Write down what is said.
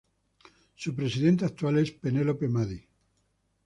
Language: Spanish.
Su presidente actual es Penelope Maddy.